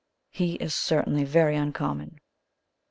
"He is certainly very uncommon."